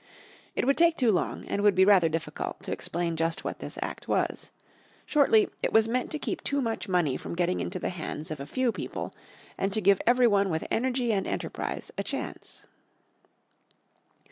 It would take too long, and would be rather difficult, to explain just what this Act was. Shortly it was meant to keep too much money from getting into the hands of a few people, and to give every one with energy and enterprise a chance.